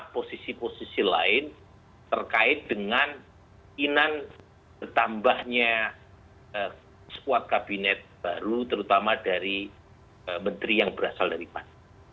posisi posisi lain terkait dengan inan bertambahnya squad kabinet baru terutama dari menteri yang berasal dari pan